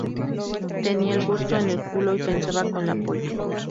Tenía el gusto en el culo y pensaba con la polla